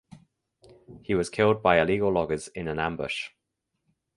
He was killed by illegal loggers in an ambush.